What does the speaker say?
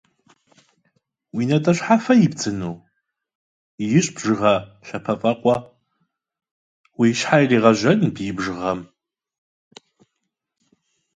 Нахера тебе восемьдесят пар носков? Это ж с ума сойти можно от их количества!